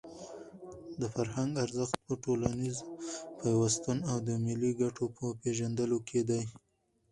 د فرهنګ ارزښت په ټولنیز پیوستون او د ملي ګټو په پېژندلو کې دی.